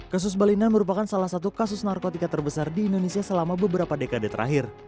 kasus balina merupakan salah satu kasus narkotika terbesar di indonesia selama beberapa dekade terakhir